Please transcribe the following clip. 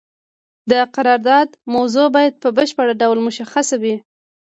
د قرارداد موضوع باید په بشپړ ډول مشخصه وي.